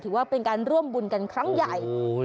ถือว่าเป็นการร่วมบุญกันครั้งใหญ่